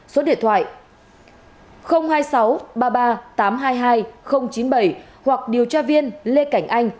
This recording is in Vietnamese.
số điện thoại hai mươi sáu ba mươi ba tám trăm hai mươi hai chín mươi bảy hoặc điều tra viên lê cảnh anh